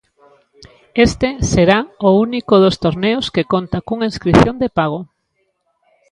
Este será o único dos torneos que conta cunha inscrición de pago.